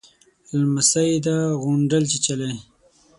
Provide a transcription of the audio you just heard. _لمسۍ يې ده، غونډل چيچلې.